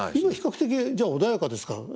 今比較的じゃ穏やかですか？